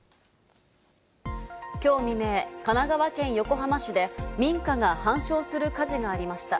今日未明、神奈川県横浜市で民家が半焼する火事がありました。